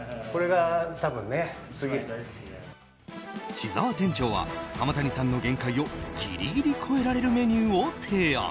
志澤店長は浜谷さんの限界を、ギリギリ超えられるメニューを提案。